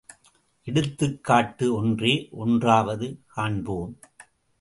எடுத்துக்காட்டு ஒன்றே ஒன்றாவது காண்போமே.